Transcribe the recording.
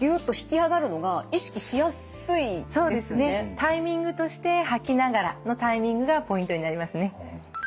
タイミングとして吐きながらのタイミングがポイントになりますね。